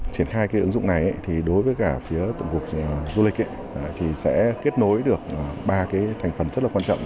triển khai cái ứng dụng này thì đối với cả phía tổng cục du lịch thì sẽ kết nối được ba cái thành phần rất là quan trọng